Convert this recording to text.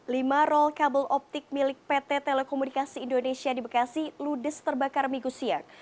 lima roll kabel optik milik pt telekomunikasi indonesia di bekasi ludes terbakar minggu siang